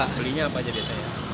belinya apa aja biasanya